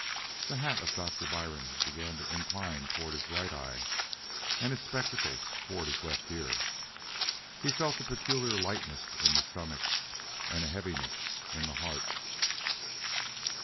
The hat of Doctor Byrne began to incline towards his right eye and his spectacles towards his left ear. He felt a peculiar lightness in the stomach and heaviness in the heart.